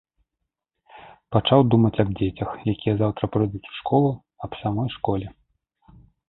Пачаў думаць аб дзецях, якія заўтра прыйдуць у школу, аб самой школе.